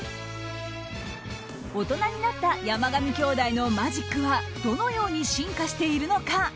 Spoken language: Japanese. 大人になった山上兄弟のマジックはどのように進化しているのか。